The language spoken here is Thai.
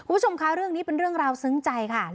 คุณผู้ชมคะเรื่องนี้เป็นเรื่องราวซึ้งใจค่ะ